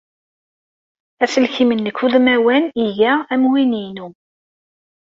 Aselkim-nnek udmawan iga am win-inu.